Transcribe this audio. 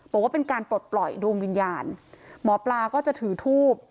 บอกว่าเป็นการปลดปล่อยดวงวิญญาณหมอปลาก็จะถือทูบ